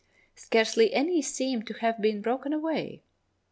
Scarcely any seem to have been broken away.